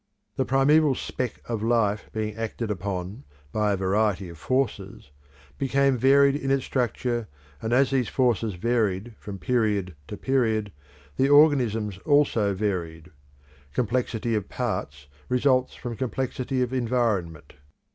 The primeval speck of life being acted upon by a variety of forces, became varied in its structure and as these forces varied from period to period, the organisms also varied. Complexity of parts results from complexity of environment.